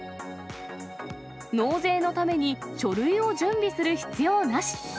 納税のために書類を準備する必要なし。